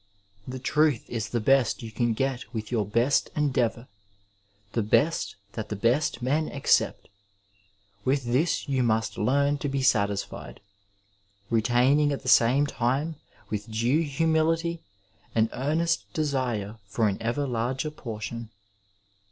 The truth is the best you can get with your best endeavour, the best that the best men accept — ^with this you must learn to be satisfied, retaining at the same time with due humility an earnest desire for an ever lai^r portion.